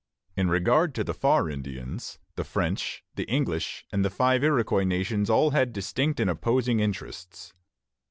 In regard to the "Far Indians," the French, the English, and the Five Iroquois Nations all had distinct and opposing interests.